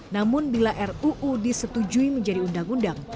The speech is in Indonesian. namun bila ruu disetujui menjemputnya